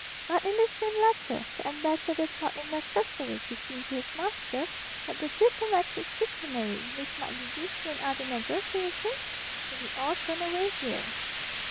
But in the same letter the Ambassador thought it necessary to hint to his master that the diplomatic chicanery which might be useful in other negotiations would be all thrown away here.